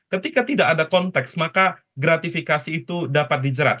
ketika tidak ada konteks maka gratifikasi itu dapat dijerat